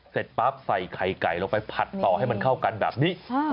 เสร็จปั๊บใส่ไข่ไก่ลงไปผัดต่อให้มันเข้ากันแบบนี้